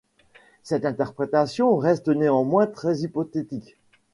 Cette interprétation reste néanmoins très hypothétique.